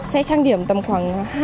sẽ trang điểm tầm khoảng